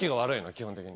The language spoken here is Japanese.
基本的に。